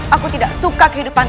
aku tidak suka kehidupan